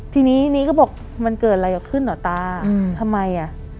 ทีนี้นี้ก็บอกมันเกิดอะไรขึ้นเหรอตาทำไมอ่ะ